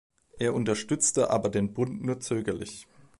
Er unterstützte aber den Bund nur zögerlich.